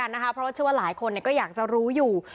เพราะว่าเชื่อว่าหลายคนก็อยากจะรู้อยู่